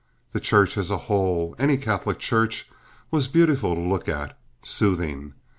The church as a whole—any Catholic church—was beautiful to look at—soothing.